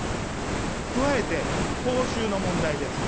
加えて、報酬の問題です。